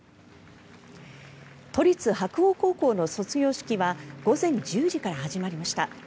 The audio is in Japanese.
都立白鴎高校の卒業式は午前１０時から始まりました。